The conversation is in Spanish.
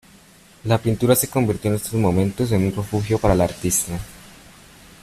La pintura se convirtió en estos momentos en un refugio para la artista.